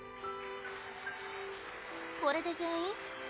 これで全員？